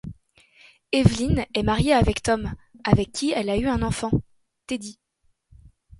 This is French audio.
Evelyn est mariée avec Tom avec qui elle a eu un enfant, Teddy.